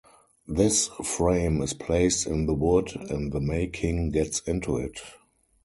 This frame is placed in the wood and the May King gets into it.